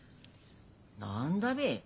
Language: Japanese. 何だべ？